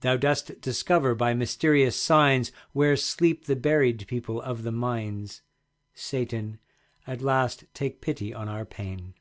Thou dost discover by mysterious signs Where sleep the buried people of the mines. Satan, at last take pity on our pain.